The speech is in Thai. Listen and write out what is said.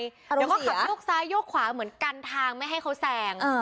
เพราะขับโยกซ้ายโยกขวาเหมือนกันทางไม่ให้เขาแซง